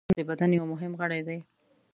• غاښونه د بدن یو مهم غړی دی.